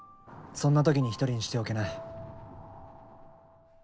そんな時に１人にしておけない。